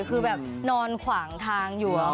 คือแบบนอนขวางทางอยู่